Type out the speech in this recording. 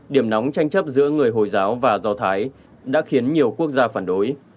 điểm nóng tranh chấp giữa người hồi giáo và do thái đã khiến nhiều quốc gia phản đối